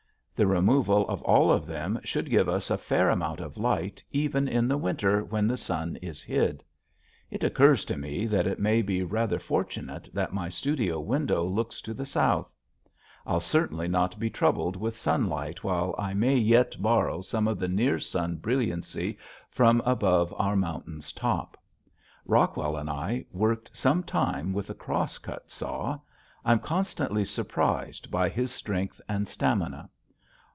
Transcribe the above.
The removal of all of them should give us a fair amount of light even in the winter when the sun is hid. It occurs to me that it may be rather fortunate that my studio window looks to the south. I'll certainly not be troubled with sunlight while I may yet borrow some of the near sun brilliancy from above our mountain's top. Rockwell and I worked some time with the cross cut saw. I'm constantly surprised by his strength and stamina.